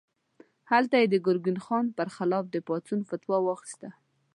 هلته یې د ګرګین خان پر خلاف د پاڅون فتوا واخیسته.